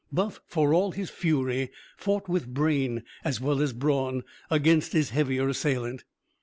Buff, for all his fury, fought with brain as well as brawn, against his heavier assailant.